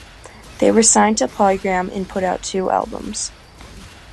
They were signed to Polygram and put out two albums.